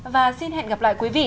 và xin hẹn gặp lại quý vị